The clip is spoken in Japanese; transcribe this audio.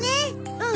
うん。